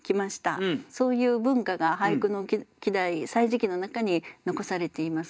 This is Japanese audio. そういう文化が俳句の季題「歳時記」の中に残されています。